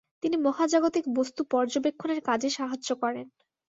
তিনি মহাজাগতিক বস্তু পর্যবেক্ষণের কাজে সাহায্য করেন।